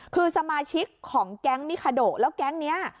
คือสมาชิกของแก๊งมิคาโดแล้วแก๊งนี้